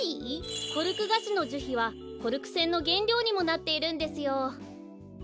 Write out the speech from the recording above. コルクガシのじゅひはコルクせんのげんりょうにもなっているんですよ。